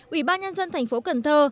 ủy ban nhân dân thành phố cần thơ